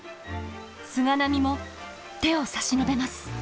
菅波も手を差し伸べます。